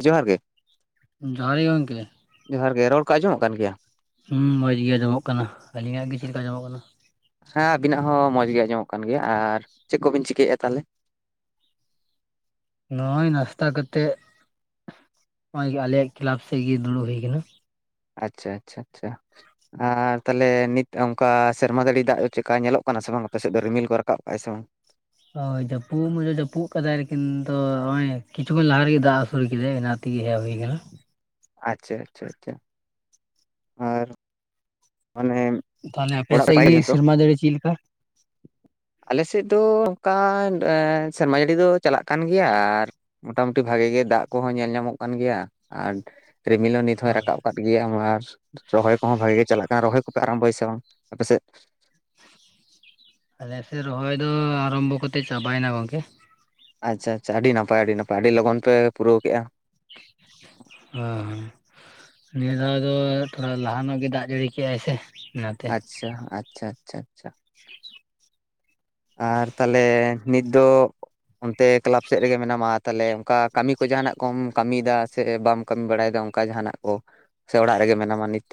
ᱡᱚᱦᱟᱨ ᱜᱮ ᱡᱚᱦᱟᱨ ᱜᱮ ᱜᱚᱝᱠᱮ ᱡᱚᱦᱟᱨ ᱜᱮ ᱨᱚᱲ ᱠᱚ ᱟᱸᱡᱚᱢᱚᱜ ᱠᱟᱱ ᱜᱮᱭᱟ? ᱦᱩᱸ ᱢᱚᱸᱡᱽ ᱜᱮ ᱟᱸᱡᱚᱢᱚᱜ ᱠᱟᱱᱟ ᱟᱞᱤᱧᱟᱜ ᱜᱮ ᱪᱮᱫ ᱞᱮᱠᱟ ᱟᱸᱡᱚᱢᱚᱜ ᱠᱟᱱᱟ ᱦᱮᱸ ᱟᱵᱤᱱᱟᱜ ᱦᱚᱸ ᱢᱚᱸᱡᱽ ᱜᱮ ᱟᱸᱡᱚᱢᱚᱜ ᱠᱟᱱ ᱜᱮᱭᱟ ᱟᱨ ᱪᱮᱫ ᱠᱚᱵᱤᱱ ᱪᱤᱠᱟᱹᱭᱮᱫ-ᱟ ᱛᱟᱦᱚᱞᱮ? ᱱᱚᱜ-ᱚᱭ ᱱᱟᱥᱛᱟ ᱠᱟᱛᱮᱜ ᱱᱚᱜ-ᱚᱭ ᱜᱮ ᱟᱞᱮᱭᱟᱜ ᱠᱞᱟᱵ ᱥᱮᱫ ᱜᱤ ᱫᱩᱲᱩᱵ ᱦᱩᱭ ᱟᱠᱟᱱᱟ ᱟᱪᱪᱷᱟ ᱟᱪᱪᱷᱟ ᱟᱪᱪᱷᱟ ᱟᱨ ᱛᱟᱦᱚᱞᱮ ᱱᱤᱛ ᱚᱱᱠᱟ ᱥᱮᱨᱢᱟ ᱡᱟᱹᱲᱮ ᱫᱟᱜ ᱪᱮᱠᱟ ᱧᱮᱞᱚᱜ ᱠᱟᱱᱟ ᱥᱮ ᱵᱟᱝ ᱟᱯᱮ ᱥᱮᱫ ᱫᱚ ᱨᱤᱢᱤᱞ ᱠᱚ ᱨᱟᱠᱟᱵ ᱠᱟᱜ-ᱟᱭ ᱥᱮ ᱵᱟᱝ ᱦᱳᱭ ᱡᱟᱹᱯᱩᱫ ᱢᱚᱸᱡᱮ ᱡᱟᱹᱯᱩᱫ ᱠᱟᱫᱟᱭ ᱞᱤᱠᱤᱱ ᱫᱚ ᱱᱚᱜ-ᱚᱭ ᱠᱤᱪᱷᱩ ᱠᱷᱚᱱ ᱞᱟᱦᱟ ᱨᱮᱜᱮ ᱫᱟᱜ ᱟᱹᱥᱩᱲ ᱠᱮᱫᱟᱭ ᱚᱱᱟᱛ ᱛᱮᱜᱤ ᱦᱮᱡ ᱦᱩᱭ ᱟᱠᱟᱱᱟ ᱟᱪᱪᱷᱟ ᱟᱪᱪᱷᱟ ᱟᱪᱪᱷᱟ ᱟᱨ ᱢᱟᱱᱮ ᱛᱟᱦᱞᱮ ᱟᱯᱮ ᱚᱲᱟᱜ ᱨᱮ ᱥᱮᱫ ᱱᱟᱯᱟᱭ ᱜᱮ ᱡᱷᱚᱛᱚ? ᱥᱮᱨᱢᱟ ᱫᱟᱲᱮ ᱪᱮᱫ ᱞᱮᱠᱟ? ᱟᱞᱮᱥᱮᱫ ᱫᱚ ᱚᱱᱠᱟ ᱥᱮᱨᱢᱟ ᱡᱟᱹᱲᱤ ᱫᱚ ᱪᱟᱞᱟᱜ ᱠᱟᱱ ᱜᱮᱭᱟ ᱟᱨ ᱢᱳᱴᱟᱢᱩᱴᱤ ᱵᱷᱟᱜᱮ ᱜᱮ ᱫᱟᱜ ᱠᱚᱦᱚᱸ ᱧᱮᱞ ᱧᱟᱢᱚᱜ ᱠᱟᱱ ᱜᱮᱭᱟ ᱟᱨ ᱨᱤᱢᱤᱞ ᱦᱳ ᱱᱤᱛ ᱦᱚᱸᱭ ᱦᱳᱭ ᱨᱟᱠᱟᱵ ᱠᱫ ᱜᱮᱭᱟ ᱨᱚᱦᱚᱭ ᱠᱚᱦᱚᱸ ᱵᱷᱟᱜᱤ ᱜᱮ ᱪᱟᱞᱟᱜ ᱨᱚᱦᱚᱭ ᱠᱚᱯᱮ ᱟᱨᱟᱢᱵᱚᱭᱟ ᱥᱮ ᱵᱟᱝ ᱟᱯᱮᱥᱮᱫ? ᱟᱞᱮᱥᱮᱫ ᱨᱚᱦᱚᱭ ᱫᱚ ᱟᱨᱚᱢᱵᱚ ᱠᱟᱛᱮ ᱪᱟᱵᱟᱭᱱᱟ ᱜᱚᱝᱠᱮ᱾ ᱟᱪᱪᱷᱟ ᱟᱪᱪᱷᱟ ᱟᱹᱰᱤ ᱱᱟᱯᱟᱭ ᱟᱹᱰᱤ ᱱᱟᱯᱟᱭ ᱟᱹᱰᱤ ᱞᱚᱜᱚᱱ ᱯᱮ ᱯᱩᱨᱟᱹᱣ ᱠᱮᱫᱮᱜᱼᱟ᱾ ᱦᱚ ᱱᱤᱭᱟᱹ ᱫᱷᱟᱣ ᱫᱚ ᱛᱷᱚᱲᱟ ᱞᱟᱦᱟᱟᱱᱚᱜ ᱜᱮ ᱫᱟᱜ ᱡᱟᱹᱲᱤ ᱠᱮᱜᱟᱭ ᱥᱮ ᱚᱱᱟᱛᱮ ᱟᱪᱪᱷᱟ ᱟᱪᱪᱷᱟ ᱟᱪᱪᱷᱟ ᱟᱪᱪᱷᱟ [inaudible] ᱟᱨ ᱛᱟᱦᱚᱞᱮ ᱱᱤᱛ ᱫᱚ ᱚᱱᱛᱮ ᱠᱮᱞᱟᱯ ᱥᱮᱫ ᱨᱮᱜᱮ ᱢᱮᱱᱟᱢᱟ ᱛᱟᱦᱚᱞᱮ ᱚᱱᱠᱟ ᱠᱟᱹᱢᱤ ᱠᱚ ᱡᱟᱦᱟᱱᱟᱜ ᱠᱚᱢ ᱠᱟᱹᱢᱤᱭᱮᱫᱟ ᱥᱮ ᱵᱟᱢ ᱠᱟᱢᱤ ᱵᱟᱲᱟᱭᱮᱫᱟ ᱚᱱᱠᱟ ᱡᱟᱦᱟᱱᱟᱜ ᱠᱚ ᱥᱮ ᱚᱲᱟᱜ ᱨᱮᱜᱮ ᱢᱮᱱᱟᱢᱟ ᱱᱤᱛ?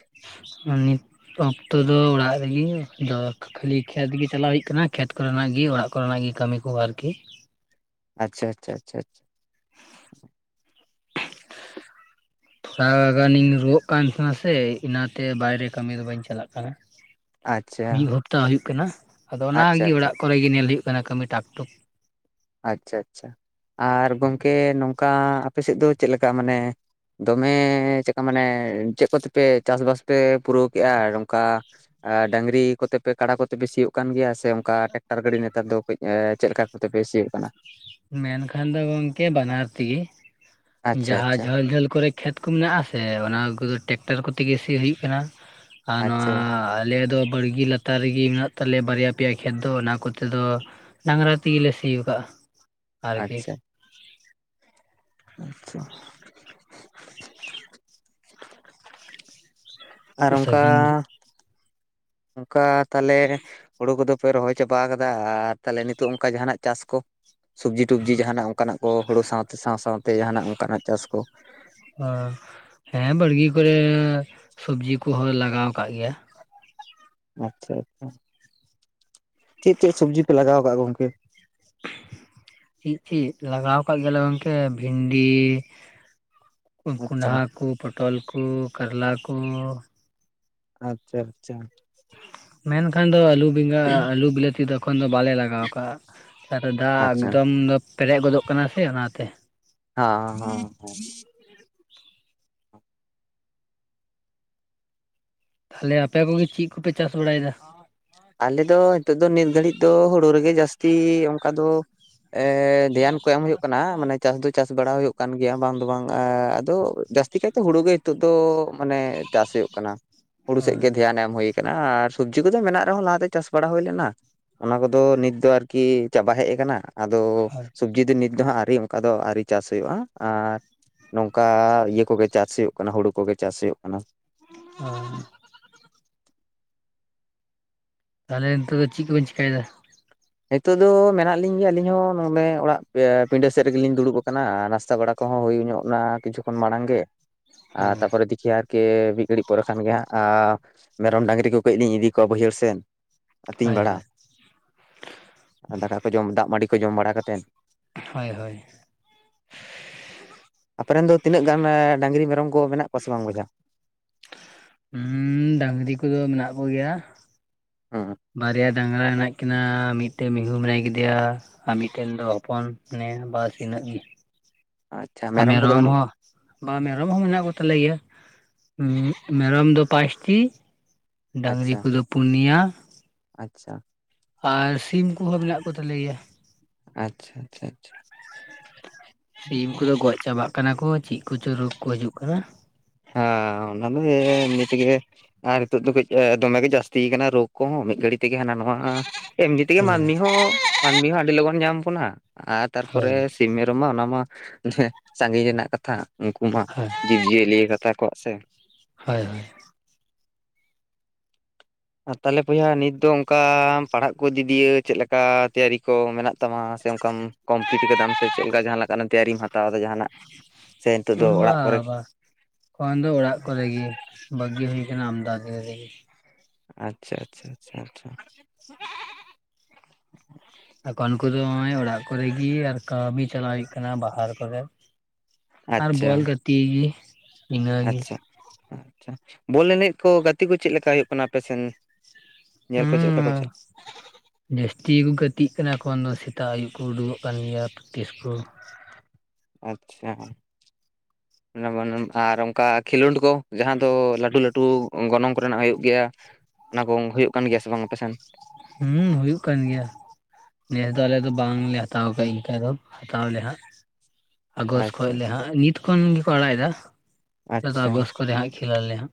ᱱᱤᱛ ᱚᱠᱛᱚ ᱫᱚ ᱚᱲᱟᱜ ᱨᱮᱜᱤ ᱫᱚᱠ ᱠᱷᱟᱹᱞᱤ ᱠᱷᱮᱛ ᱜᱮ ᱪᱟᱞᱟᱣ ᱦᱩᱭᱩᱜ ᱠᱟᱱᱟ ᱠᱷᱮᱛ ᱠᱚᱨᱮᱱᱟᱜ ᱜᱮ ᱚᱲᱟᱜ ᱠᱚᱨᱮᱱᱟᱜ ᱜᱮ ᱠᱟᱹᱢᱤ ᱠᱚ ᱟᱨᱠᱤ᱾ ᱟᱪᱪᱷᱟ ᱟᱪᱪᱷᱟ ᱟᱪᱪᱷᱟ ᱛᱷᱚᱲᱟ ᱜᱟᱱᱤᱧ ᱨᱩᱣᱟᱹᱜ ᱠᱟᱱ ᱛᱟᱦᱮᱸᱱᱟ ᱥᱮ ᱤᱱᱟᱛᱮ ᱵᱟᱭᱨᱮ ᱠᱟᱹᱢᱤ ᱫᱚ ᱵᱟᱹᱧ ᱪᱟᱞᱟᱜ ᱠᱟᱱᱟ᱾ ᱟᱪᱪᱷᱟ ᱛᱚ ᱦᱩᱭᱩᱜ ᱠᱟᱱᱟ ᱟᱫᱚ ᱟᱪᱪᱷᱟ ᱚᱱᱟᱜᱮ ᱟᱪᱪᱷᱟ ᱚᱲᱟᱜ ᱠᱚᱨᱮ ᱜᱮ ᱧᱮᱞ ᱦᱩᱭᱩᱜ ᱠᱟᱱᱟ ᱠᱟᱹᱢᱤ ᱴᱟᱠ ᱴᱩᱠ᱾ ᱟᱪᱪᱷᱟ ᱟᱪᱪᱷᱟ ᱟᱨ ᱜᱚᱢᱠᱮ ᱱᱚᱝᱠᱟ ᱟᱯᱮ ᱥᱮᱫ ᱫᱚ ᱪᱮᱫᱞ ᱞᱮᱠᱟ ᱢᱟᱱᱮ ᱫᱚᱢᱮ ᱪᱮᱫᱠᱟ ᱢᱟᱱᱮ ᱪᱮᱫ ᱠᱚᱛᱮᱯᱮ ᱪᱟᱥᱼᱵᱟᱥ ᱯᱮ ᱯᱩᱨᱟᱹᱣ ᱠᱮᱫᱮᱜᱼᱟ ᱱᱚᱝᱠᱟ ᱰᱝᱨᱤ ᱠᱚᱛᱮ ᱯᱮ ᱠᱟᱲᱟ ᱠᱚᱛᱮ ᱯᱮ ᱥᱤᱭᱳᱜ ᱠᱟᱱ ᱜᱮᱭᱟ ᱥᱮ ᱚᱱᱠᱟ ᱴᱮᱠᱴᱟᱨ ᱜᱟᱹᱰᱤ ᱱᱮᱛᱟᱨ ᱫᱚ ᱠᱟᱹᱡ ᱪᱮᱫ ᱞᱮᱠᱟ ᱠᱚᱛᱮ ᱯᱮ ᱥᱤᱭᱳᱜ ᱠᱟᱱᱟ ᱢᱮᱱᱠᱷᱟᱱ ᱫᱚ ᱜᱚᱝᱠᱮ ᱵᱟᱱᱟᱨ ᱛᱮᱜᱤ ᱟᱪᱪᱷᱟ ᱡᱟᱦᱟᱸ ᱟᱪᱪᱷᱟ ᱡᱷᱟᱹᱞ ᱡᱷᱟᱹᱞ ᱠᱚᱨᱮ ᱠᱷᱮᱛ ᱠᱚ ᱢᱮᱱᱟᱜᱼᱟ ᱥᱮ ᱚᱱᱟ ᱠᱚᱫᱚ ᱴᱮᱠᱴᱟᱨ ᱠᱚᱛᱮ ᱜᱮ ᱥᱤ ᱦᱩᱭᱩᱜ ᱠᱟᱱᱟ᱾ ᱟᱨ ᱟᱪᱪᱷᱟ ᱱᱚᱣᱟ ᱟᱞᱮ ᱫᱚ ᱵᱟᱲᱜᱮ ᱞᱟ ᱛᱟᱨ ᱨᱮᱜᱮ ᱢᱮᱱᱟᱜ ᱛᱟᱞᱮᱭᱟ ᱵᱟᱨᱭᱟ ᱯᱮᱭᱟ ᱠᱷᱮᱛ ᱫᱚ ᱚᱱᱟ ᱠᱚᱛᱮ ᱫᱚ ᱰᱟᱝᱨᱟ ᱛᱮᱜᱮ ᱞᱮ ᱥᱤ ᱟᱠᱟᱟᱜᱼᱟ᱾ ᱟᱨᱠᱤ ᱟᱪᱪᱷᱟ ᱟᱨ ᱚᱱᱠᱟ ᱥᱟᱺᱜᱤᱧ ᱚᱱᱠᱟ ᱛᱟᱦᱚᱞᱮ ᱦᱩᱲᱩ ᱠᱚᱫᱚ ᱯᱮ ᱨᱚᱦᱚᱭ ᱪᱟᱵᱟ ᱠᱟᱫᱟ ᱟᱨ ᱛᱟᱦᱚᱞᱮ ᱱᱤᱛᱚᱜ ᱚᱱᱠᱟ ᱡᱟᱦᱟᱱᱟᱜ ᱪᱟᱥ ᱠᱚ ᱥᱚᱵᱡᱤ ᱴᱚᱵᱡᱤ ᱡᱟᱦᱟᱱᱟᱜ ᱚᱱᱠᱟ ᱚᱱᱠᱟᱱᱟᱜ ᱠᱚ ᱦᱳᱲᱩ ᱥᱟᱶᱛᱮ ᱥᱟᱶ ᱥᱟᱶᱶᱛᱮ ᱡᱟᱦᱟᱱᱟᱜ ᱚᱱᱠᱟᱱᱟᱜ ᱪᱟᱥ ᱠᱚ ᱦᱮᱸ ᱵᱟᱲᱜᱮ ᱠᱚᱨᱮ ᱥᱚᱵᱡᱤ ᱠᱚᱦᱚᱸ ᱞᱟᱜᱟᱣ ᱟᱠᱟᱜ ᱜᱮᱭᱟ᱾ ᱟᱪᱪᱷᱟ ᱟᱪᱪᱷᱟ ᱪᱮᱫ ᱪᱮᱫ ᱥᱚᱵᱡᱤ ᱯᱮ ᱞᱟᱜᱟᱣ ᱟᱠᱟ ᱟ ᱜᱚᱝᱠᱮ? ᱪᱮᱫ ᱪᱮᱫ ᱞᱟᱜᱟᱣ ᱠᱟᱜ ᱜᱮᱭᱟᱞᱮ ᱜᱚᱝᱠᱮ ᱵᱷᱤᱱᱰᱤ ᱟᱪᱪᱷᱟ ᱠᱚᱸᱰᱷᱟ ᱠᱚ ᱯᱚᱴᱚᱞ ᱠᱚ ᱠᱟᱨᱞᱟ ᱠᱚ ᱟᱪᱪᱷᱟ ᱟᱪᱪᱷᱟ ᱢᱮᱱᱠᱷᱟᱱ ᱫᱚ ᱟᱹᱞᱩ ᱵᱮᱸᱜᱟᱲ ᱟᱹᱞᱩ ᱵᱤᱞᱟᱹᱛᱤ ᱫᱚ ᱮᱠᱷᱚᱱ ᱫᱚ ᱵᱟᱞᱮ ᱞᱟᱜᱟᱣ ᱠᱟᱜᱼᱟ᱾ ᱟᱨ ᱫᱟᱜ ᱟᱪᱪᱷᱟ ᱮᱠᱫᱚᱢ ᱫᱚ ᱯᱮᱨᱮᱡ ᱜᱚᱫᱚᱜ ᱠᱟᱱᱟ ᱥᱮ ᱚᱱᱟᱛᱮ᱾ ᱦᱮᱸ ᱦᱚᱸ ᱛᱟᱦᱚᱞᱮ ᱟᱯᱮ ᱠᱚᱜᱮ ᱪᱮᱫ ᱠᱚᱯᱮ ᱪᱟᱥ ᱵᱟᱲᱟᱭᱮᱫᱟ? ᱟᱞᱮ ᱫᱚ ᱱᱤᱛᱚᱜ ᱫᱚ ᱱᱤᱛ ᱜᱷᱟᱹᱲᱤᱡ ᱫᱚ ᱦᱩᱲᱩ ᱨᱮᱜᱮ ᱡᱟᱹᱥᱛᱤ ᱚᱱᱠᱟ ᱫᱚ ᱫᱷᱮᱭᱟᱱ ᱠᱚ ᱮᱢ ᱦᱩᱭᱩᱜ ᱠᱟᱱᱟ ᱢᱟᱱᱮ ᱪᱟᱥ ᱫᱚ ᱪᱟᱥ ᱵᱟᱲᱟ ᱦᱩᱭᱩᱜ ᱠᱟᱱ ᱜᱮᱭᱟ ᱵᱟᱝ ᱫᱚ ᱵᱟᱝ ᱟᱫᱚ ᱡᱟᱹᱥᱛᱤ ᱠᱟᱭᱛᱮ ᱦᱩᱲᱳ ᱜᱮ ᱱᱤᱛᱚᱜ ᱫᱚ ᱢᱟᱱᱮ ᱪᱟᱥ ᱦᱩᱭᱩᱜ ᱠᱟᱱᱟ ᱦᱩᱲᱩ ᱥᱮᱫ ᱜᱮ ᱫᱷᱮᱭᱟᱱ ᱮᱢ ᱦᱩᱭ ᱟᱠᱟᱱᱟ ᱟᱨ ᱥᱚᱵᱡᱤ ᱠᱚᱫᱚ ᱢᱮᱱᱟᱜ ᱦᱚᱞᱟ ᱫᱚ ᱪᱟᱥ ᱵᱟᱲᱟ ᱦᱳᱭ ᱞᱮᱱᱟ ᱚᱱᱟ ᱠᱚᱫᱚ ᱱᱤᱛ ᱫᱚ ᱟᱨᱠᱤ ᱪᱟᱵᱟ ᱦᱮᱜ ᱠᱟᱱᱟ ᱟᱫᱚ ᱦᱮᱸ ᱥᱚᱵᱡᱤ ᱫᱚ ᱱᱤᱛ ᱫᱚ ᱦᱟᱸᱜ ᱟᱹᱣᱨᱤ ᱚᱝᱠᱟ ᱫᱚ ᱟᱹᱣᱨᱤ ᱪᱟᱥ ᱦᱳᱭᱳᱜᱼᱟ ᱟᱨ ᱱᱚᱝᱠᱟ ᱤᱭᱟᱹ ᱠᱚᱜᱮ ᱪᱟᱥ ᱦᱳᱭᱳᱜ ᱠᱟᱱᱟ ᱦᱳᱲᱳ ᱠᱚᱜᱮ ᱪᱟᱥ ᱦᱳᱭᱳᱜ ᱠᱟᱱᱟ [unintelligible] ᱛᱟᱦᱚᱞᱮ ᱱᱤᱛᱚᱜ ᱫᱚ ᱪᱤᱜ ᱠᱚᱵᱮᱱ ᱪᱤᱠᱟᱹᱭᱮᱫᱟ ᱱᱤᱛᱚ ᱫᱚ ᱢᱮᱱᱟᱜ ᱞᱤᱧ ᱜᱮᱭᱟ ᱟᱹᱞᱤᱧ ᱦᱚᱸ ᱱᱚᱸᱰᱮ ᱚᱲᱟᱜ ᱯᱮᱭᱟ ᱯᱤᱸᱰᱟᱹ ᱥᱮᱫ ᱨᱮᱜᱮᱞᱤᱧ ᱫᱩᱲᱩᱵ ᱟᱠᱟᱱᱟ ᱱᱟᱥᱛᱟ ᱵᱟᱲᱟ ᱠᱚᱦᱚᱸ ᱦᱳᱭ ᱧᱚᱜ ᱱᱟ ᱠᱤᱪᱷᱩ ᱠᱷᱚᱱ ᱢᱟᱲᱟᱝ ᱜᱮ ᱟᱨ ᱛᱟᱯᱚᱨᱮ [unintelligible] ᱠᱮ ᱢᱤᱜ ᱜᱷᱟᱹᱲᱤᱡ ᱯᱚᱨᱮ ᱠᱷᱟᱱ ᱜᱮ ᱦᱟᱸᱜ ᱟᱨ ᱢᱮᱨᱚᱢ ᱰᱟᱹᱟᱝᱨᱤ ᱠᱚ ᱠᱟᱹᱡᱞᱤᱧ ᱤᱫᱤ ᱠᱚᱣᱟ ᱵᱟᱹᱭᱦᱟᱹᱲ ᱥᱮᱱ ᱟᱹᱛᱤᱧ ᱦᱳᱭ ᱵᱟᱲᱟ ᱦᱳᱭ ᱟᱨ ᱫᱟᱠᱟ ᱠᱚ ᱡᱚᱢ ᱫᱟᱜ ᱢᱟᱹᱰᱤ ᱠᱚ ᱡᱚᱢ ᱵᱟᱲᱟ ᱠᱟᱛᱮᱫ ᱦᱳᱭ ᱦᱳᱭ ᱟᱯᱮ ᱨᱮᱱ ᱫᱚ ᱛᱤᱱᱟᱹᱜ ᱜᱟᱱ ᱰᱟᱹᱝᱨᱤ ᱢᱮᱨᱚᱢ ᱠᱚ ᱢᱮᱱᱟᱜ ᱠᱚᱣᱟ ᱥᱮ ᱵᱟᱝ ᱵᱚᱭᱦᱟ ᱦᱩᱸ ᱰᱟᱝᱨᱤ ᱠᱚᱫᱚ ᱢᱮᱱᱟᱜ ᱠᱚᱜᱮᱭᱟ ᱦᱚᱸ ᱵᱟᱨᱭᱟ ᱰᱟᱝᱨᱟ ᱦᱮᱱᱟᱜ ᱠᱤᱱᱟᱹ ᱢᱤᱫᱴᱮᱜ ᱢᱤᱦᱩ ᱢᱮᱱᱟᱭ ᱠᱮᱫᱮᱭᱟ ᱟᱨ ᱢᱤᱫᱴᱮᱱ ᱫᱚ ᱦᱚᱯᱚᱱ ᱢᱮᱱᱟᱭᱟ ᱵᱟᱥ ᱤᱱᱟᱹᱜ ᱜᱤ ᱟᱪᱪᱷᱟ ᱟᱨ ᱠᱚᱫᱚ ᱢᱮᱨᱚᱢ ᱵᱟᱹᱱᱩᱜ ᱠᱚᱣᱟ ᱦᱚᱸ ᱵᱟ ᱢᱮᱨᱚᱢ ᱦᱚᱸ ᱢᱮᱱᱟᱜ ᱠᱚᱛᱟᱞᱮᱜᱮᱭᱟ ᱩᱸᱜ ᱢᱮᱨᱚᱢ ᱫᱚ ᱯᱟᱥᱴᱤ ᱰᱟᱝᱨᱤ ᱟᱪᱪᱷᱟ ᱠᱚᱫᱚ ᱯᱩᱱᱭᱟ ᱟᱪᱪᱷᱟ ᱟᱨ ᱥᱤᱢ ᱠᱚᱦᱚᱸ ᱢᱮᱱᱟᱜ ᱠᱚᱛᱟᱞᱮ ᱜᱮᱭᱟ ᱟᱪᱪᱷᱟ ᱟᱪᱪᱷᱟ ᱟᱪᱪᱷᱟ ᱥᱤᱢ ᱠᱚᱫᱚ ᱜᱚᱡ ᱪᱟᱵᱟᱜ ᱠᱟᱱᱟ ᱠᱚ ᱪᱤᱜ ᱠᱚᱪᱚ ᱨᱳᱜ ᱠᱚ ᱦᱤᱡᱩᱜ ᱠᱟᱱᱟ ᱦᱟᱸ ᱚᱱᱟ ᱫᱚ ᱮᱢᱱᱤᱛᱮᱜᱮ ᱟᱨ ᱦᱤᱛᱳᱜ ᱫᱚ ᱠᱟᱹᱡ ᱮ ᱫᱚᱢᱮ ᱜᱮ ᱡᱟᱹᱥᱛᱤᱭ ᱠᱟᱱᱟ ᱨᱳᱜ ᱠᱚᱦᱚᱸ ᱢᱤᱫ ᱜᱷᱟᱹᱲᱤᱡ ᱛᱮᱜᱮ ᱦᱟᱱᱟ ᱱᱚᱣᱟ ᱮᱢᱱᱤ ᱛᱮᱜᱮ ᱦᱳᱭ ᱢᱟᱹᱱᱢᱤ ᱦᱚᱸ ᱢᱟᱹᱱᱢᱤ ᱦᱚᱸ ᱟᱹᱰᱤ ᱞᱚᱜᱚᱱ ᱧᱟᱢ ᱵᱚᱱᱟ ᱟᱨ ᱛᱟᱨᱯᱚᱨᱮ ᱦᱳᱭ ᱥᱤᱢ ᱢᱮᱨᱚᱢ ᱢᱟ ᱚᱱᱟ ᱢᱟ ᱥᱟᱜᱤᱧ ᱨᱮᱱᱟᱜ ᱠᱟᱛᱷᱟ ᱩᱝᱠᱩ ᱢᱟ ᱦᱳᱭ ᱡᱤᱵᱽᱼᱡᱤᱭᱟᱹᱞᱤᱭᱟ ᱠᱟᱛᱟ ᱠᱚᱜ ᱥᱮ ᱦᱳᱭ ᱦᱳᱭ ᱟᱨ ᱛᱟᱦᱞᱮ ᱵᱚᱭᱦᱟ ᱱᱤᱛ ᱫᱚ ᱚᱝᱠᱟᱢ ᱯᱟᱲᱦᱟᱜ ᱠᱚ ᱤᱫᱤ ᱫᱤᱭᱟ ᱪᱮᱫ ᱞᱮᱠᱟ ᱛᱮᱭᱟᱨᱤ ᱠᱚ ᱢᱮᱱᱟᱜ ᱛᱟᱢᱟ ᱥᱮ ᱚᱝᱠᱟᱢ ᱠᱚᱢᱯᱞᱤᱴ ᱠᱟᱫᱟᱢ ᱥᱮ ᱪᱮᱫ ᱞᱮᱠᱟ ᱡᱟᱦᱟᱸ ᱞᱮᱠᱟ ᱛᱮᱭᱟᱨᱤᱢ ᱦᱟᱛᱟᱣᱫᱟ ᱡᱟᱦᱟᱱᱟᱜ ᱥᱮ ᱱᱤᱛᱚᱜ ᱫᱚ ᱦᱳᱭ ᱚᱲᱟᱜ ᱠᱚᱨᱮ ᱵᱟᱵᱟ ᱮᱠᱷᱚᱱ ᱫᱚ ᱚᱲᱟᱜ ᱠᱚᱨᱮᱜ ᱜᱮ ᱵᱟᱹᱜᱤ ᱦᱩᱭ ᱠᱟᱱᱟ ᱟᱢᱫᱟ ᱫᱤᱱ ᱨᱮᱜᱮ ᱟᱪᱪᱷᱟ ᱟᱪᱪᱷᱟ ᱟᱪᱪᱷᱟ ᱟᱪᱪᱷᱟ [inaudible] ᱮᱠᱷᱚᱱ ᱩᱱᱠᱩ ᱫᱚ ᱚᱸᱭ ᱚᱲᱟᱜ ᱠᱚᱨᱮᱜᱤ ᱟᱨ ᱠᱟᱹᱢᱤ ᱪᱟᱞᱟᱭ ᱦᱩᱭᱩᱜ ᱠᱟᱱᱟ ᱵᱟᱦᱟᱨ ᱠᱚᱨᱮ ᱟᱨ ᱟᱪᱪᱷᱟ ᱵᱚᱞ ᱜᱟᱛᱮᱜ ᱜᱤ ᱟᱪᱪᱷᱟ ᱟᱪᱪᱷᱟ ᱵᱚᱞ ᱮᱱᱮᱡ ᱠᱚ ᱜᱟᱛᱮ ᱠᱚ ᱪᱮᱫ ᱞᱮᱠᱟ ᱦᱳᱭᱳᱜ ᱠᱟᱱᱟ ᱟᱯᱮ ᱥᱮᱱ ᱦᱩᱸ ᱡᱟᱹᱥᱛᱤ ᱠᱩ ᱜᱟᱹᱛᱤᱜ ᱠᱟᱱᱟ ᱮᱠᱷᱚᱱ ᱫᱚ ᱥᱮᱛᱟᱜ ᱟᱭᱩᱵ ᱠᱚ ᱩᱰᱩᱜᱚᱜ ᱠᱟᱱ ᱜᱮᱭᱟ ᱯᱮᱠᱴᱤᱥ ᱠᱚ ᱟᱪᱪᱷᱟ ᱱᱚᱭᱟ ᱵᱟᱱᱮᱢ ᱟᱨ ᱚᱝᱠᱟ ᱠᱷᱮᱞᱳᱸᱰ ᱠᱚ ᱡᱟᱦᱟᱸ ᱫᱚ ᱞᱟᱹᱴᱩ ᱞᱟᱹᱴᱩ ᱜᱚᱱᱚᱝ ᱠᱚᱨᱮᱱᱟᱜ ᱦᱳᱭᱳᱜ ᱜᱮᱭᱟ ᱚᱱᱟ ᱠᱚᱝ ᱦᱳᱭᱳᱜ ᱠᱟᱱ ᱜᱮᱭᱟ ᱥᱮ ᱵᱟᱝ ᱟᱯᱮᱥᱮᱱ ᱦᱩᱸ ᱦᱩᱭᱩᱜ ᱠᱟᱱ ᱜᱮᱭᱟ ᱱᱮᱥ ᱫᱚ ᱟᱞᱮ ᱫᱚ ᱵᱟᱝᱞᱮ ᱦᱟᱛᱟᱣ ᱠᱟᱡ ᱤᱝᱠᱟᱹ ᱫᱚ ᱦᱟᱛᱟᱣᱞᱮ ᱦᱟᱸᱜ ᱟᱜᱚᱥ ᱠᱷᱚᱡ ᱟᱪᱪᱷᱟ ᱞᱮ ᱦᱟᱸᱜ ᱱᱤᱛ ᱠᱷᱚᱱ ᱜᱮᱠᱚ ᱟᱲᱟᱭ ᱮᱫᱟ ᱟᱞᱮ ᱫᱚ ᱟᱪᱪᱷᱟ ᱟᱜᱚᱥ ᱠᱚᱨᱮ ᱦᱟᱸᱜ ᱠᱷᱮᱞ ᱟᱞᱮ ᱦᱟᱸᱜ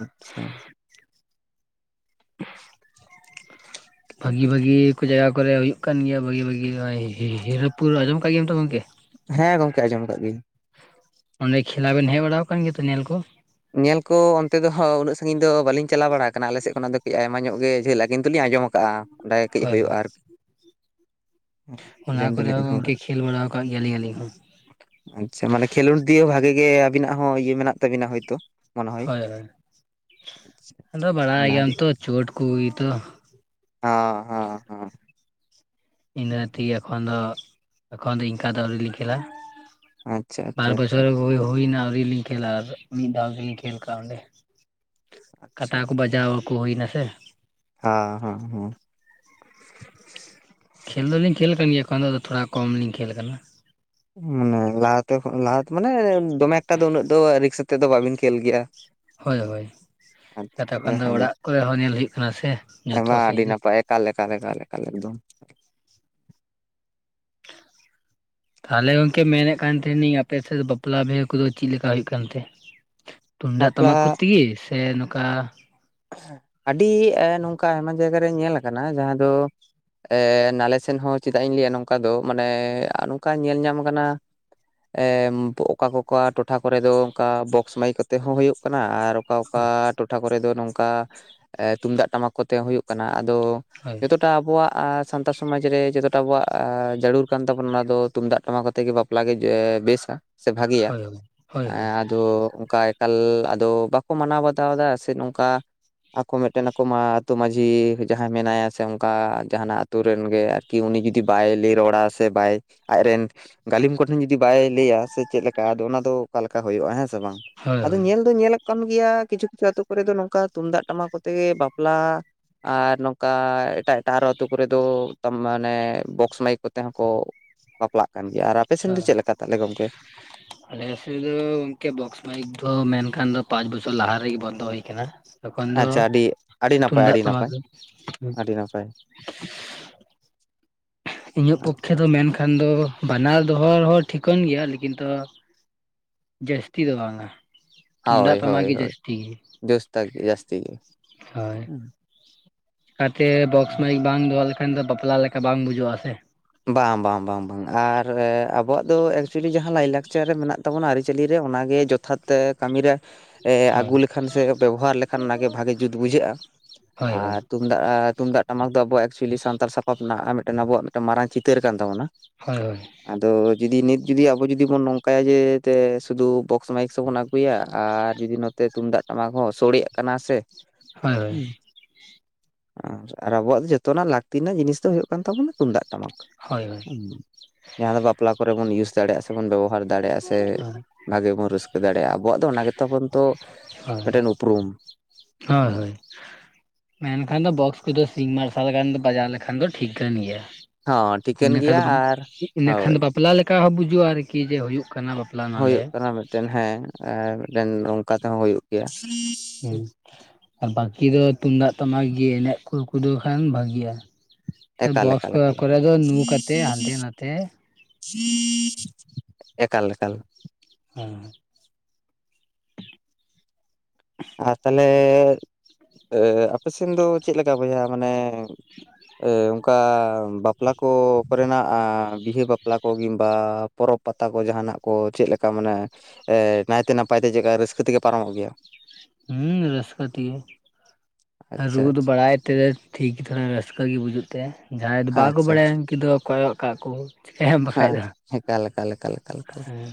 ᱟᱪᱪᱷᱟ [inaudible] ᱵᱷᱟᱹᱜᱤ ᱵᱷᱟᱹᱜᱤ ᱠᱚ ᱡᱟᱭᱜᱟ ᱠᱚᱨᱮ ᱦᱩᱭᱩᱜ ᱠᱟᱱ ᱜᱮᱭᱟ ᱵᱷᱟᱹᱜᱮ ᱵᱷᱟᱹᱜᱮ ᱦᱚᱜᱼᱚᱭ ᱦᱤ ᱦᱤᱨᱟᱹᱯᱩᱨ ᱟᱡᱚᱢ ᱠᱟᱜ ᱜᱮᱭᱟᱢ ᱛᱚ ᱜᱚᱝᱠᱮ ᱦᱮᱸ ᱜᱚᱝᱠᱮ ᱟᱸᱡᱚᱢ ᱟᱠᱟᱜ ᱜᱤᱧ ᱚᱸᱰᱮ ᱠᱷᱮᱞᱟ ᱵᱮᱱ ᱦᱮᱜ ᱵᱟᱲᱟᱣ ᱠᱟᱱ ᱜᱮᱭᱟ ᱛᱚ ᱧᱮᱞ ᱠᱚ ᱧᱮᱞ ᱠᱚ ᱚᱱᱛᱮ ᱫᱚᱦᱚᱸ ᱩᱱᱟᱹᱜ ᱥᱟᱺᱜᱤᱧ ᱫᱚ ᱵᱟᱹᱞᱤᱧ ᱪᱟᱞᱟᱣ ᱵᱟᱲᱟ ᱠᱟᱱᱟ ᱟᱞᱮᱥᱮᱜ ᱠᱷᱚᱱᱟᱜ ᱫᱚ ᱠᱟᱹᱡ ᱟᱭᱢᱟ ᱧᱚᱜ ᱜᱮ ᱡᱷᱟᱹᱞᱟᱹ ᱠᱤᱱᱛᱩᱞᱤᱧ ᱟᱸᱡᱚᱢ ᱠᱟᱜᱼᱟ ᱚᱸᱰᱮ ᱠᱟᱹᱡ ᱦᱳᱭ ᱦᱩᱭᱩᱜᱼᱟ ᱦᱳᱭ ᱟᱨᱠᱤ ᱚᱱᱟ ᱟᱸᱡᱚᱢ ᱠᱚᱨᱮ ᱫᱚᱞᱤᱧ ᱦᱚᱸ ᱟᱸᱡᱚᱢ ᱜᱚᱝᱠᱮ ᱟᱠᱟᱫᱟ ᱠᱷᱮᱞ ᱵᱟᱲᱟ ᱟᱠᱟᱟᱜ ᱜᱮᱭᱟᱞᱤᱧ ᱟᱹᱞᱤᱧ ᱦᱚᱸ ᱟᱪᱪᱷᱟ ᱢᱟᱱᱮ ᱠᱷᱮᱞᱳᱰ ᱫᱤᱭᱮ ᱵᱷᱟᱜᱤ ᱜᱮ ᱟᱵᱤᱱᱟᱜ ᱦᱚᱸ ᱤᱭᱟᱹ ᱢᱮᱱᱟᱜ ᱛᱟᱵᱤᱱᱟ ᱦᱳᱭᱛᱳ ᱢᱚᱱᱮ ᱦᱚᱭ ᱦᱳᱭ ᱦᱳᱭ ᱟᱪᱪᱷᱟ ᱟᱪᱪᱷᱟ ᱟᱫᱚ ᱟᱪᱪᱷᱟ, ᱵᱟᱲᱟᱭ ᱚᱱᱟ ᱜᱮᱭᱟᱢ ᱟᱹᱰᱤ ᱛᱚ ᱪᱴ ᱠᱚᱜᱮᱛᱚ ᱦ ᱦᱮᱸ ᱤᱱᱟ ᱛᱮᱜᱮ ᱮ ᱫᱚ ᱮᱚᱱ ᱫᱚ ᱤᱱᱠᱟ ᱫᱚ ᱟᱹᱣᱞᱤᱧ ᱠᱷᱮᱞᱟ ᱟᱪᱪᱷᱟ ᱟᱪᱪᱷᱟ ᱵᱟᱨ ᱟᱪᱪᱷᱟ ᱵᱪᱚᱨ ᱦᱩᱭᱭᱱᱟ ᱟᱹᱣᱤ ᱠᱷᱮᱞᱟ ᱟᱨ ᱢᱤᱫ ᱫᱷᱟᱣ ᱛᱮᱜᱮᱧ ᱠᱷᱮᱞ ᱠᱟᱜᱼᱟ ᱚᱸᱰᱮ ᱟᱪᱪᱷᱟ ᱠᱟᱴᱟ ᱠᱚ ᱵᱟᱡᱟᱣ ᱟᱠᱚ ᱦᱩᱭᱱᱟ ᱥᱮ ᱦᱮᱸ ᱦᱮᱸ ᱦᱮᱸ ᱠᱷᱮᱞ ᱫᱚᱞᱤᱧ ᱠᱷᱮᱞ ᱟᱠ ᱠᱟᱱ ᱜᱮᱭᱟ ᱮᱠᱷᱚᱱ ᱫᱚᱫᱚ ᱛᱷᱚᱲᱟ ᱠᱚᱢ ᱞᱞᱤᱧ ᱠᱷᱮᱞ ᱠᱟᱱᱟ ᱢᱟᱱᱮ ᱞᱟᱦᱟᱛᱮ ᱞᱟᱦᱟ ᱢᱟᱱᱮ ᱫᱚᱢᱮ ᱮᱠᱴᱟ ᱫᱚ ᱩᱱᱟᱹᱜ ᱫᱚ ᱨᱤᱠᱥᱛᱮᱮᱫ ᱫᱚ ᱵᱵᱤᱱ ᱠᱷᱮᱞ ᱜᱮᱭᱟ ᱦᱳᱭ ᱦᱳᱭᱛ ᱠᱷᱚᱱ ᱫᱚ ᱟᱪᱪᱷᱟ ᱟᱹᱰᱤ ᱚᱲᱟᱜ ᱠᱚᱨᱮ ᱦᱚᱸ ᱧᱮᱞ ᱦᱩᱭᱩᱜ ᱠᱟᱱᱟ ᱥᱮ ᱡᱚᱛᱚ ᱥᱮᱫ ᱜᱮ ᱠᱟᱞᱮ ᱠᱟᱞᱮᱞᱮᱞᱮ ᱮᱠᱫᱚᱢ ᱛᱟᱦᱞᱮ ᱜᱚᱝᱠᱮ ᱢᱮᱱᱮᱫ ᱛᱟᱦᱮᱟᱸᱱᱤᱧ ᱟᱯᱮ ᱥᱮᱫ ᱵᱟᱯᱞᱟ ᱵᱤᱦᱟᱹ ᱠᱚᱫᱚ ᱪᱮᱫ ᱞᱮᱠᱟ ᱦᱩᱭᱩᱜ ᱠᱟᱱᱛᱮ ᱛᱩᱢᱫᱟᱜ ᱵᱟᱯᱞᱟ ᱴᱟᱢᱟᱠ ᱠᱚ ᱛᱮᱜᱮ ᱥᱮ ᱱᱚᱝᱠᱟ ᱟᱹᱰᱤ ᱱᱚᱝᱠᱟ ᱟᱭᱢᱟ ᱡᱟᱭᱜᱟᱟᱨᱮ ᱧᱮᱞ ᱠᱟᱱᱟ ᱡᱟᱦᱟᱸ ᱫᱚ ᱱᱟᱞᱮ ᱥᱮᱱ ᱦᱚᱸ ᱪᱮᱫᱟᱜ ᱤᱧ ᱞᱟᱹᱭᱟ ᱱᱚᱝᱠᱟ ᱫᱚ ᱢᱟᱱᱮ ᱱᱚᱝᱠᱟ ᱧᱮᱞ ᱧᱟᱢ ᱠᱟᱱᱟ ᱚᱠᱟ ᱠᱚᱠᱟ ᱴᱚᱴᱷᱟ ᱠᱚᱨᱮ ᱫᱚ ᱚᱱᱠᱟ ᱵᱚᱠᱥ ᱢᱟᱹᱭᱤ ᱠᱚᱛᱮ ᱦᱚᱸ ᱦᱩᱭᱩᱜ ᱠᱟᱱᱟ ᱟᱨ ᱚᱠᱟ ᱚᱠᱟ ᱦᱳᱭ ᱴᱚᱴᱷᱟ ᱠᱚᱨᱮ ᱫᱚ ᱱᱚᱝᱠᱟ ᱛᱩᱢᱫᱟᱜ ᱴᱟᱢᱟᱠ ᱠᱚᱛᱮ ᱦᱩᱭᱩᱜ ᱠᱟᱱᱟ ᱟᱫᱚ ᱦ ᱡᱚᱴᱟ ᱟᱵᱚᱣᱟᱜ ᱥᱟᱱᱛᱟᱲ ᱥᱚᱢᱟᱡᱽ ᱨᱮ ᱡᱚᱛᱚᱴᱟ ᱟᱵᱚᱣᱟᱜ ᱡᱟᱹᱨᱩᱲ ᱠᱟᱱ ᱛᱟᱵᱚᱱᱟ ᱚᱱᱟ ᱫᱚ ᱛᱩᱢᱫᱟᱜ ᱴᱟᱢᱟᱠ ᱛᱮᱜ ᱜᱮ ᱵᱟᱯᱞᱟ ᱵᱟᱯᱞᱟᱜ ᱜᱮ ᱵᱮᱥᱟ ᱥᱮ ᱵᱷᱟᱜᱤᱭᱟ ᱦᱳᱭ ᱦᱳᱭ ᱟᱫᱚ ᱚᱱᱠᱟ ᱮᱠᱟᱞ ᱟᱫᱚ ᱵᱟᱠᱚ ᱢᱟᱱᱟᱣ ᱵᱟᱛᱟᱣ ᱮᱫᱟ ᱥᱮ ᱱᱚᱝᱠᱟ ᱟᱠᱚ ᱢᱤᱫᱴᱮᱱ ᱟᱠᱚ ᱢᱟ ᱟᱹᱛᱩᱳ ᱢᱟᱹᱡᱷᱤ ᱡᱟᱦᱟᱸᱭ ᱢᱮᱱᱟᱭᱟ ᱥᱮ ᱚᱱᱠᱟ ᱡᱟᱦᱟᱱᱟᱜ ᱟ ᱟᱹᱛᱩᱳ ᱨᱮᱱ ᱜᱮ ᱟᱨᱠᱤ ᱠᱤ ᱩᱱᱤ ᱡᱩᱫᱤ ᱵᱟᱭ ᱞᱟᱹᱭ ᱨᱚᱲᱟ ᱥᱮ ᱵᱟᱭ ᱟᱡᱨᱮᱱ ᱜᱟᱹᱞᱤᱢ ᱠᱚᱴᱷᱮᱱ ᱡᱩᱫᱤ ᱵᱟᱭ ᱞᱟᱹᱭᱟ ᱥᱮ ᱪᱮᱫᱞᱠᱟ ᱟᱫᱚ ᱚᱱᱟ ᱫᱚ ᱚᱠᱟ ᱞᱮᱠᱟ ᱦᱩᱭᱩᱜᱼᱟ ᱦᱮᱸ ᱥᱮ ᱵᱟᱝ ᱦᱳᱭ ᱟᱫᱚ ᱦᱳᱭ ᱧᱮᱞ ᱫᱚ ᱧᱮᱞᱚᱜ ᱠᱟᱱ ᱜᱮᱭᱟ ᱠᱤᱪᱷᱩ ᱠᱤᱪᱷᱩ ᱟ ᱟᱹᱛᱩᱳ ᱠᱚᱨᱮ ᱫᱚ ᱱᱚᱝᱠᱟ ᱛᱩᱢᱫᱟᱜ ᱴᱟᱢᱟᱠ ᱠᱚᱛᱮᱜ ᱜᱮ ᱵᱟᱯᱞᱟ ᱟᱨ ᱱᱚᱝᱠᱟ ᱮᱴᱟᱜ ᱮᱴᱟᱜ ᱟᱨᱦᱚᱸ ᱟᱹᱛᱳ ᱠᱚᱨᱮ ᱫᱚ ᱢᱟᱱᱮ ᱵᱚᱠᱥ ᱢᱟᱭᱤᱠ ᱠᱚᱛᱮ ᱦᱚᱸ ᱠᱚ ᱵᱟᱯᱞᱟᱜ ᱠᱟᱱ ᱜᱮᱭᱟ ᱟᱨ ᱜᱚᱝᱠᱮ ᱟᱸᱻ ᱟᱞᱮ ᱥᱮᱫ ᱫᱚ ᱜᱚᱝᱠᱮ ᱵᱚᱠᱥ ᱢᱟᱭᱤᱠ ᱫᱚ ᱢᱮᱱᱠᱷᱟᱱ ᱫᱚ ᱯᱟᱸᱪ ᱵᱚᱪᱷᱚᱨ ᱞᱟᱦᱟ ᱨᱮᱜᱮ ᱵᱚᱱᱫᱚ ᱦᱩᱭ ᱟᱠᱟᱱᱟ ᱮᱠᱷᱚᱱ ᱫᱚ ᱟᱪᱪᱷᱟ ᱟᱹᱰᱤ ᱟᱹᱰᱤ ᱱᱟᱯᱟᱭ ᱛᱩᱢᱫᱟᱜ ᱟᱹᱰᱤ ᱴᱟᱢᱟᱠ ᱱᱟᱯᱟᱭ ᱜᱮ ᱟᱹᱰᱤ ᱱᱟᱯᱟᱭ ᱤᱧᱟᱹᱜ ᱟᱪᱪᱷᱟ ᱯᱚᱠᱠᱷᱮ ᱫᱚ ᱟᱪᱪᱷᱟ ᱢᱮᱱᱠᱷᱟᱱ ᱫᱚ ᱵᱟᱱᱟᱨ ᱫᱚᱦᱚ ᱦᱚᱸ ᱴᱷᱤᱠᱟᱹᱱ ᱜᱮᱭᱟ ᱞᱮᱠᱤᱱ ᱫᱚ ᱡᱟᱹᱥᱛᱤ ᱫᱚ ᱵᱟᱝᱟ ᱦᱳᱭ ᱛᱩᱢᱫᱟᱜ ᱴᱟᱢᱟᱠ ᱦᱳᱭ ᱜᱮ ᱦᱳᱭ ᱡᱟᱹᱥᱛᱤ ᱜᱮ ᱡᱳᱥ ᱛᱟᱠ ᱡᱟᱹᱥᱛᱤ ᱜᱮ ᱦᱳᱭ ᱦᱮᱸ ᱟᱛᱮ ᱵᱚᱠᱥ ᱢᱟᱭᱤᱠ ᱵᱟᱝ ᱫᱚᱦᱚ ᱞᱮᱠᱷᱟᱱ ᱫᱚ ᱵᱟᱯᱞᱟ ᱞᱮᱠᱟ ᱵᱟᱝ ᱵᱩᱡᱩᱜᱼᱟ ᱥᱮ ᱵᱟᱝ ᱵᱟᱝ ᱵᱟᱝ ᱵᱟᱝ ᱟᱨ ᱟᱵᱚᱣᱟᱜ ᱫᱚ ᱮᱠᱪᱩᱭᱮᱞᱤ ᱡᱟᱦᱟᱸ ᱞᱟᱭᱞᱟᱠᱪᱟᱨ ᱪᱟᱨ ᱨᱮ ᱢᱮᱱᱟᱜ ᱛᱟᱵᱚᱱᱟ ᱟᱹᱨᱤᱪᱟᱞᱤ ᱨᱮ ᱚᱱᱟᱜᱮ ᱡᱚᱛᱷᱟᱛ ᱠᱟᱹᱢᱤᱨᱮ ᱦᱳᱭ ᱟᱹᱜᱩ ᱞᱮᱠᱷᱟᱱ ᱥᱮ ᱵᱮᱵᱚᱦᱟᱨ ᱞᱮᱠᱷᱟᱱ ᱚᱱᱟᱜᱮ ᱵᱷᱟᱜᱮ ᱡᱩᱛ ᱵᱩᱡᱷᱟᱹᱜᱼᱟ ᱦᱳᱭ ᱦᱳᱭ ᱟᱨ ᱛᱩᱢᱫᱟᱜᱼᱼᱛᱩᱢᱫᱟᱜ ᱴᱟᱢᱟᱠ ᱫᱚ ᱮᱠᱪᱩᱭᱤ ᱥᱟᱱᱛᱟᱲ ᱥᱟᱯᱟᱯ ᱨᱮᱱᱟᱜ ᱮᱸᱻ ᱢᱤᱫᱴᱟᱹᱝ ᱟᱵᱚᱣᱟᱜ ᱢᱟᱨᱟᱝ ᱪᱤᱛᱟᱹᱨ ᱠᱟᱱ ᱛᱟᱵᱚᱱᱟ ᱦᱳᱭ ᱦᱳᱭ ᱟᱫᱚ ᱡᱩᱫᱤ ᱱᱤᱛ ᱡᱩᱫᱤ ᱟᱵᱚ ᱡᱩᱫᱤ ᱵᱚᱱ ᱱᱚᱝᱠᱟᱭᱟ ᱡᱮ ᱥᱩᱫᱩ ᱵᱚᱠᱥ ᱢᱟᱭᱤᱠᱵᱚᱱ ᱟᱹᱜᱩᱭᱟ ᱟᱨ ᱡᱩᱫᱤ ᱱᱚᱛᱮ ᱛᱩᱢᱫᱟᱜ ᱴᱟᱢᱟᱠ ᱦᱚᱸ ᱥᱚᱲᱮᱜ ᱠᱟᱱᱟ ᱥᱮ ᱦᱳᱭ ᱟᱨ ᱟᱨ ᱟᱵᱚᱣᱟᱜ ᱡᱚᱛᱚᱱᱟᱜ ᱞᱟᱹᱠᱛᱤ ᱨᱮᱱᱟᱜ ᱡᱤᱱᱤᱥ ᱫᱚ ᱦᱩᱭᱩᱜ ᱠᱟᱱ ᱛᱟᱵᱚᱱᱟ ᱛᱩᱢᱫᱟᱜ ᱴᱟᱢᱟᱠ ᱦᱳᱭ ᱦᱳᱭ ᱦᱩᱸ ᱡᱟᱦᱟᱸ ᱫᱚ ᱵᱟᱯᱞᱟ ᱠᱚᱨᱮ ᱵᱚᱱ ᱤᱭᱩᱥ ᱫᱟᱲᱮᱭᱟᱜᱼᱟ ᱥᱮ ᱵᱚᱱ ᱵᱮᱵᱚᱦᱟᱨ ᱫᱟᱲᱮᱭᱟᱜᱼᱟ ᱥᱮ ᱵᱷᱟᱜᱮ ᱵᱚᱱ ᱨᱟᱹᱥᱠᱟᱹ ᱫᱟᱲᱮᱭᱟᱜᱼᱟ ᱟᱵᱚᱣᱟᱜ ᱫᱚ ᱚᱱᱟ ᱜᱮᱛᱟᱵᱚᱱ ᱛᱚ ᱦᱳᱭ ᱦᱳᱭ ᱢᱤᱫᱴᱮᱱ ᱩᱯᱨᱩᱢ ᱦᱳᱭ ᱦᱳᱭ ᱢᱮᱱᱠᱷᱟᱱ ᱫᱚ ᱵᱚᱠᱥ ᱠᱚᱫᱚ ᱥᱤᱧ ᱢᱟᱨᱥᱟᱞ ᱜᱟᱱ ᱵᱟᱡᱟᱣ ᱞᱮᱠᱷᱟᱱ ᱫᱚ ᱴᱷᱤᱠ ᱠᱟᱱ ᱜᱮᱭᱟ ᱦᱚᱸ ᱴᱷᱤᱠᱟᱹᱱ ᱜᱮᱭᱟ ᱤᱱᱟᱹᱠᱷᱟᱱ ᱫᱚ ᱟᱨ ᱤᱱᱟᱹᱠᱷᱟᱱ ᱦᱳᱭ ᱫᱚ ᱵᱟᱯᱞᱟ ᱞᱮᱠᱟ ᱦᱚᱸ ᱵᱩᱡᱚᱜᱼᱟ ᱟᱨᱠᱤ ᱡᱮ ᱦᱳᱭᱳᱜ ᱠᱟᱱᱟ ᱵᱟᱯᱼᱼ ᱦᱳᱭᱳᱜ ᱠᱟᱱᱟ ᱢᱤᱫᱴᱮᱱ ᱦᱮᱸ ᱢᱤᱫᱴᱮᱱ ᱱᱚᱝᱠᱟ ᱛᱮᱦᱚᱸ ᱦᱳᱭᱳᱜ ᱜᱮᱭᱟ ᱦᱮᱸ ᱟᱨ ᱵᱟᱠᱤ ᱫᱚ ᱛᱩᱢᱫᱟᱜ ᱴᱟᱢᱟᱠ ᱜᱮ ᱮᱱᱮᱡ ᱠᱚ ᱠᱚᱫᱚ ᱠᱷᱟᱱ ᱵᱷᱟᱹᱜᱤᱭᱟ ᱮᱠᱟᱞ ᱵᱚᱠᱥ ᱮᱠᱟᱞ ᱮᱠᱟᱞ ᱠᱚᱨᱼᱼᱠᱚᱨᱮ ᱮᱠᱟᱞ ᱫᱚ ᱱᱩ ᱠᱟᱛᱮ ᱦᱟᱱᱛᱮ ᱱᱷᱟᱛᱮ ᱮᱠᱟᱞ ᱮᱠᱟᱞ ᱦᱮᱸᱻ ᱟᱨ ᱛᱟᱦᱞᱮ ᱟᱯᱮ ᱥᱮᱱ ᱫᱚ ᱪᱮᱫ ᱞᱮᱠᱟ ᱵᱚᱭᱦᱟ ᱢᱟᱱᱮ ᱚᱱᱠᱟ ᱵᱟᱯᱞᱟ ᱠᱚ ᱠᱚᱨᱮᱱᱟᱜ ᱵᱤᱦᱟᱹ ᱵᱟᱼᱼ ᱵᱟᱯᱞᱟ ᱠᱚ ᱠᱤᱝᱵᱟ ᱯᱚᱨᱚᱵᱽ ᱯᱟᱛᱟ ᱠᱚ ᱡᱟᱦᱟᱱᱟᱜ ᱠᱚ ᱪᱮᱫ ᱞᱮᱠᱟ ᱢᱟᱱᱮ ᱱᱟᱭᱛᱮ ᱱᱟᱯᱟᱭ ᱛᱮ ᱪᱮᱠᱟ ᱨᱟᱹᱥᱠᱟᱹ ᱛᱮᱜᱮ ᱯᱟᱨᱚᱢᱚᱜ ᱜᱮᱭᱟ ᱦᱩᱸ ᱨᱟᱹᱥᱠᱟᱹ ᱛᱮᱜᱮ ᱟᱨ ᱟᱪᱪᱷᱟ ᱨᱩᱣᱟᱹ ᱵᱟᱲᱟᱭ ᱛᱮ ᱴᱷᱤᱠ ᱜᱮ ᱛᱷᱚᱲᱟ ᱨᱟᱹᱥᱠᱟᱹ ᱜᱮ ᱵᱩᱡᱩᱜ ᱛᱮ ᱡᱟᱦᱟᱸᱭ ᱫᱚ ᱵᱟᱠᱚ ᱟᱪᱪᱷᱟ ᱵᱟᱲᱟᱭᱟ ᱟᱪᱪᱷᱟ ᱩᱱᱠᱩ ᱫᱚ ᱠᱚᱭᱚᱜ ᱠᱟᱜ ᱠᱚ ᱪᱤᱠᱟᱹᱭᱟᱢ ᱵᱟᱠᱷᱟᱡ ᱦᱮᱸ ᱫᱚ ᱮᱠᱟᱞ ᱮᱠᱟᱞ ᱮᱠᱟᱞ ᱮᱠᱟᱞ ᱮᱠᱟᱞ ᱦᱮᱸ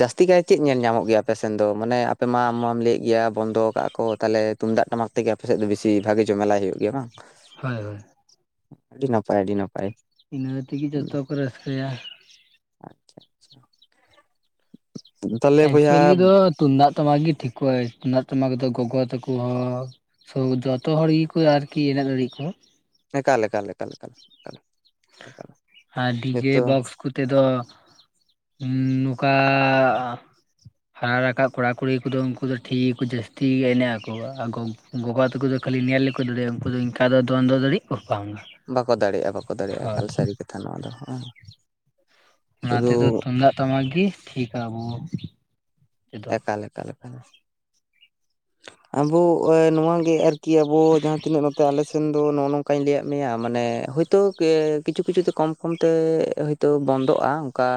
ᱡᱟᱹᱥᱛᱤ ᱠᱟᱭ ᱪᱮᱫ ᱧᱮᱞ ᱧᱟᱢᱚᱜ ᱜᱮᱭᱟ ᱟᱯᱮ ᱥᱮᱱ ᱫᱚ ᱢᱟᱱᱮ ᱟᱯᱮ ᱢᱟ ᱟᱢ ᱢᱟᱢ ᱞᱟᱹᱭᱮᱫ ᱜᱮᱭᱟ ᱵᱚᱱᱫᱚ ᱟᱠᱟᱜ-ᱟ ᱠᱚ ᱛᱟᱦᱞᱮ ᱛᱩᱢᱫᱟᱜ ᱴᱟᱢᱟᱠ ᱛᱮᱜᱮ ᱟᱯᱮ ᱥᱮᱫ ᱫᱚ ᱵᱤᱥᱤ ᱵᱷᱟᱹᱜᱤ ᱡᱚᱢᱮᱞᱟᱭ ᱦᱳᱭᱳᱜ ᱜᱮᱭᱟ ᱵᱟᱝ ᱦᱳᱭ ᱦᱳᱭ ᱟᱹᱰᱤ ᱱᱟᱯᱟᱭ ᱟᱹᱰᱤ ᱱᱟᱯᱟᱭ ᱤᱱᱟᱹ ᱛᱮᱜᱮ ᱦᱩᱸ, ᱡᱚᱛᱚ ᱠᱚ ᱨᱟᱹᱥᱠᱟᱹᱭᱟ ᱟᱪᱪᱷᱟ ᱟᱪᱪᱷᱟ᱾ ᱛᱟᱦᱚᱞᱮ ᱵᱚᱭᱦᱟ ᱮᱠᱪᱩᱭᱮᱞᱤ ᱫᱚ ᱛᱩᱢᱫᱟᱜ ᱴᱟᱢᱟᱠ ᱜᱮ ᱴᱷᱤᱠᱚᱜᱼᱟ ᱛᱩᱢᱫᱟᱜ ᱴᱟᱢᱟᱠ ᱫᱚ ᱜᱳᱜᱳ ᱛᱟᱠᱚ ᱦᱚᱸ [unintelligible] ᱡᱚᱛᱚ ᱦᱚᱲ ᱜᱮᱠᱚ ᱟᱨᱠᱤ ᱮᱱᱮᱡ ᱫᱟᱲᱮᱜ ᱟᱠᱚ ᱮᱠᱟᱞ ᱮᱠᱟᱞ ᱮᱠᱟᱞ ᱮᱠᱟᱞ ᱰᱤᱡᱮ ᱱᱤᱛᱚᱜ ᱵᱚᱠᱥ ᱠᱚᱛᱮ ᱫᱚ ᱱᱚᱝᱠᱟ ᱦᱟᱨᱟ ᱨᱟᱠᱟᱵ ᱠᱚᱲᱟ ᱠᱩᱲᱤ ᱠᱚᱫᱚ ᱩᱱᱠᱩ ᱫᱚ ᱴᱷᱤᱠ ᱜᱮᱠᱚ ᱡᱟᱹᱥᱛᱤ ᱜᱮ ᱮᱱᱮᱡ ᱟᱠᱚ ᱜᱳᱜᱳ ᱛᱟᱠᱚ ᱫᱚ ᱠᱷᱟᱹᱞᱤ ᱧᱮᱞ ᱜᱮᱠᱚ ᱫᱟᱲᱮᱭᱟᱜᱼᱟ ᱩᱱᱠᱩ ᱫᱚ ᱤᱱᱠᱟ ᱫᱚ ᱫᱚᱱ ᱫᱚ ᱫᱟᱲᱮᱜ ᱟᱠᱚ ᱵᱟᱝ-ᱟ ᱵᱟᱠᱚ ᱫᱟᱲᱮᱭᱟᱜᱼᱟ ᱵᱟᱠᱚ ᱫᱟᱲᱮᱭᱟᱜᱼᱟ ᱦᱳᱭ ᱮᱠᱟᱞ ᱥᱟᱹᱨᱤ ᱠᱟᱛᱷᱟ ᱱᱚᱣᱟ ᱫᱚ ᱚᱱᱟ ᱥᱩᱫᱷᱩ ᱛᱮᱫᱚ ᱛᱩᱢᱫᱟᱜ ᱴᱟᱢᱟᱠ ᱜᱮ ᱴᱷᱤᱠ ᱟᱵᱚ᱾ ᱛᱮᱫᱚ ᱮᱠᱟᱞ ᱮᱠᱟᱞ ᱮᱠᱟᱞ ᱟᱵᱚ ᱱᱚᱣᱟ ᱜᱮ ᱟᱨᱠᱤ ᱟᱵᱚ ᱡᱟᱦᱟᱸ ᱛᱤᱱᱟᱹᱜ ᱱᱚ ᱛᱮ ᱟᱞᱮ ᱥᱮᱱ ᱫᱚ ᱱᱚᱜᱼᱚ ᱱᱚᱝᱠᱟᱧ ᱞᱟᱹᱭᱟᱫ ᱢᱮᱭᱟ ᱢᱟᱱᱮ ᱦᱚᱭᱛᱳ ᱠᱤᱪᱷᱩ ᱠᱤᱪᱷᱩ ᱛᱮ ᱠᱚᱢ ᱠᱚᱢᱛᱮ, ᱛᱚ ᱵᱚᱱᱫᱚᱜᱼᱟ ᱚᱱᱠᱟ᱾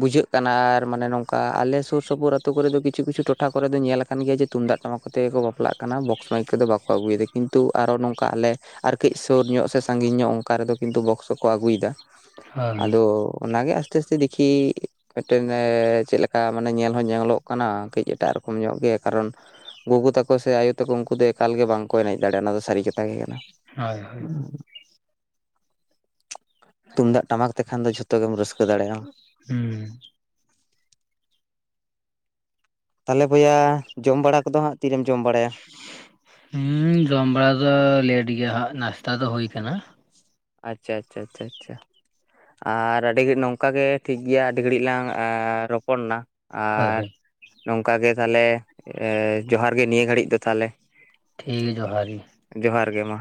ᱵᱩᱡᱷᱟᱹᱜ ᱠᱟᱱᱟ ᱟᱨ ᱢᱟᱱᱮ ᱱᱚᱝᱠᱟ ᱟᱞᱮ ᱥᱳᱨ ᱥᱳᱯᱳᱨ ᱟᱛᱳ ᱠᱚᱨᱮ ᱫᱚ ᱠᱤᱪᱷᱩ ᱠᱤᱪᱷᱩ ᱴᱚᱴᱷᱟ ᱠᱚᱨᱮ ᱫᱚ ᱧᱮᱞ ᱟᱠᱟᱱ ᱜᱮᱭᱟ ᱛᱩᱢᱫᱟᱜ ᱴᱟᱢᱟᱠ ᱠᱚᱛᱮ ᱜᱮᱠᱚ ᱵᱟᱯᱞᱟᱜ ᱠᱟᱱᱟ ᱵᱚᱠᱥ ᱢᱟᱭᱤᱠ ᱠᱚᱫᱚ ᱵᱟᱠᱚ ᱟᱹᱜᱩᱭᱮᱫᱟ ᱠᱤᱱᱛᱩ ᱟᱨᱚ ᱱᱚᱝᱠᱟ ᱟᱞᱮ ᱟᱨ ᱠᱟᱹᱡ ᱥᱳᱨ ᱧᱚᱜ ᱥᱮ ᱥᱟᱺᱜᱤᱧ ᱧᱚᱜ ᱚᱱᱠᱟ ᱨᱮᱫᱚ ᱠᱤᱱᱛᱩ ᱵᱚᱠᱥᱚ ᱠᱚᱠᱚ ᱟᱹᱜᱩᱭᱫᱟ᱾ ᱦᱳᱭ ᱟᱫᱚ ᱚᱱᱟᱜᱮ ᱟᱥᱛᱮ ᱟᱥᱛᱮ ᱫᱤᱠᱷᱤ ᱢᱤᱫᱴᱮᱱ ᱪᱮᱫ ᱞᱮᱠᱟ ᱢᱟᱱᱮ ᱧᱮᱞ ᱦᱚᱸ ᱧᱮᱞᱚᱜ ᱠᱟᱱᱟ ᱠᱟᱹᱡ ᱮᱴᱟᱜ ᱨᱚᱠᱚᱢ ᱧᱚᱜ ᱜᱮ ᱠᱟᱨᱚᱱ, ᱜᱳᱜᱳ ᱛᱟᱠᱚ ᱥᱮ ᱟᱭᱳ ᱛᱟᱠᱚ ᱩᱱᱠᱩ ᱫᱚ ᱮᱠᱟᱞ ᱜᱮ ᱵᱟᱝᱠᱚ ᱮᱱᱮᱡ ᱫᱟᱲᱮᱭᱟᱜᱼᱟ ᱚᱱᱟ ᱫᱚ ᱥᱟᱹᱨᱤ ᱠᱟᱛᱷᱟ ᱜᱮ ᱠᱟᱱᱟ᱾ ᱦᱳᱭ ᱦᱳᱭ [unintelligible] ᱛᱩᱢᱫᱟᱜ ᱴᱟᱢᱟᱠ ᱛᱮᱠᱷᱟᱱ ᱫᱚ ᱡᱷᱚᱛᱚ ᱜᱮᱢ ᱨᱟᱹᱥᱠᱟᱹ ᱫᱟᱲᱮᱭᱟᱜᱼᱟ᱾ ᱦᱩᱸ ᱛᱟᱦᱞᱮ ᱵᱚᱭᱦᱟ ᱡᱚᱢ ᱵᱟᱲᱟ ᱠᱚᱫᱚ ᱦᱟᱸᱜ ᱛᱤᱨᱮᱢ ᱡᱚᱢ ᱵᱟᱲᱟᱭᱟ? ᱦᱮᱸ ᱡᱚᱢ ᱵᱟᱲᱟ ᱫᱚ ᱞᱮᱴ ᱜᱮᱭᱟ ᱦᱟᱸᱜ ᱱᱟᱥᱛᱟ ᱫᱚ ᱦᱳᱭ ᱠᱟᱱᱟ᱾ ᱟᱪᱪᱷᱟ ᱟᱪᱪᱷᱟ ᱟᱪᱪᱷᱟ ᱟᱪᱪᱷᱟ ᱟᱨ ᱟᱹᱰᱤ ᱜᱷᱟᱲᱤ ᱱᱚᱝᱠᱟ ᱜᱮ ᱴᱷᱤᱠ ᱜᱮᱭᱟ ᱟᱹᱰᱤ ᱜᱷᱟᱹᱲᱤᱡ ᱞᱟᱝ ᱨᱚᱯᱚᱲᱱᱟ᱾ ᱦᱳᱭ ᱟᱨ ᱦᱳᱭ ᱱᱚᱝᱠᱟ ᱜᱮ ᱛᱟᱦᱞᱮ ᱡᱚᱦᱟᱨ ᱜᱮ ᱱᱤᱭᱟᱹ ᱜᱷᱟᱹᱲᱤᱡ ᱫᱚ ᱛᱟᱦᱞᱮ᱾ ᱴᱷᱤᱠ ᱜᱮ ᱡᱚᱦᱟᱨ ᱜᱮ᱾ ᱡᱚᱦᱟᱨ ᱜᱮ ᱢᱟ᱾